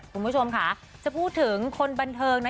คุณผู้ชมค่ะจะพูดถึงคนบันเทิงนะ